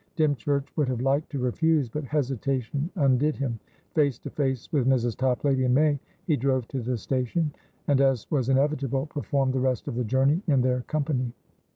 Dymchurch would have liked to refuse, but hesitation undid him. Face to face with Mrs. Toplady and May, he drove to the station, and, as was inevitable, performed the rest of the journey in their company.